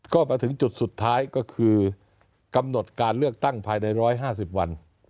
ก็มาถึงจุดสุดท้ายก็คือกำหนดการเลือกตั้งภายใน๑๕๐วัน